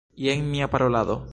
Jen mia parolado.